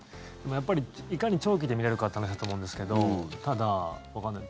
やっぱりいかに長期で見れるかって話だと思うんですけどただわかんないです